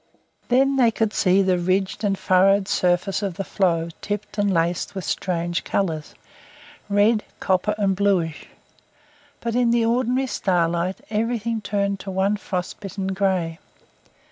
Then they could see the ridged and furrowed surface of the floe tipped and laced with strange colours red, copper, and bluish; but in the ordinary starlight everything turned to one frost bitten gray.